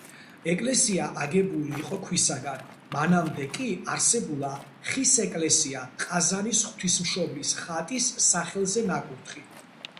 ეკლესია აგებული იყო ქვისაგან, მანამდე კი არსებულა ხის ეკლესია ყაზანის ღვთისმშობლის ხატის სახელზე ნაკურთხი.